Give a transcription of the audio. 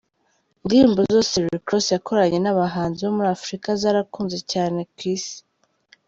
Indirimbo zose Rick Ross yakoranye n’abahanzi bo muri Afurika zarakunzwe cyane ku Isi.